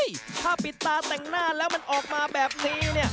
ถ้าปิดตาแต่งหน้าแล้วมันออกมาแบบนี้เนี่ย